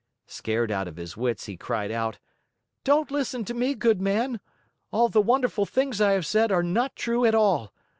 Scared out of his wits, he cried out: "Don't listen to me, good man! All the wonderful things I have said are not true at all.